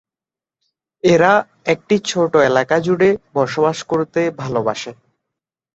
এরা একটি ছোটো এলাকা জুড়ে বসবাস করতে ভালোবাসে।